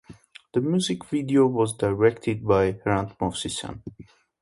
The music video was directed by Hrant Movsisyan.